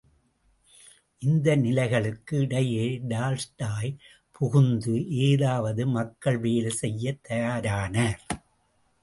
இந்த நிலைகளுக்கு இடையே டால்ஸ்டாய் புகுந்து ஏதாவது மக்கள் வேலை செய்யத் தயாரானார்!